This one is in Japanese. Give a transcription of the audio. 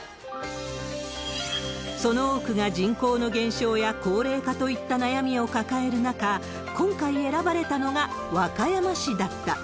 その多くが人口の減少や高齢化といった悩みを抱える中、今回選ばれたのが和歌山市だった。